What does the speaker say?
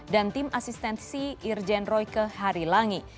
dan tim asistensi irjen royke harilangi